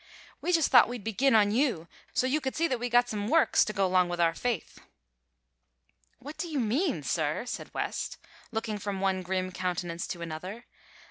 We just thought we'd begin on you so's you could see that we got some works to go 'long with our faith." "What do you mean, sir?" said West, looking from one grim countenance to another.